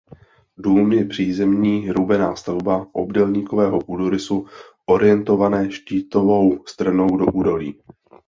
Dům je přízemní roubená stavba obdélníkového půdorysu orientované štítovou stranou do údolí.